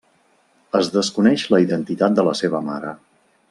Es desconeix la identitat de la seva mare.